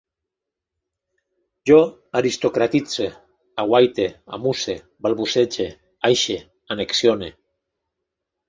Jo aristocratitze, aguaite, amusse, balbucege, aixe, annexione